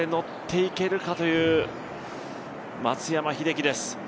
ッていけるかという松山英樹です。